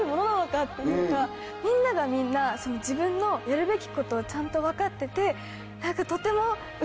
みんながみんな自分のやるべきことをちゃんと分かってて何かとても。